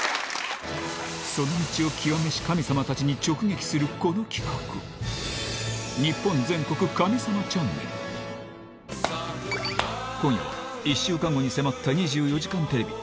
その道を究めし神様たちに直撃するこの企画今夜は１週間後に迫った『２４時間テレビ』